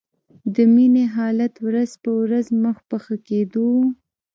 د مينې حالت ورځ په ورځ مخ په ښه کېدو و